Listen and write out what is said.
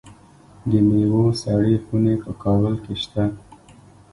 د میوو سړې خونې په کابل کې شته.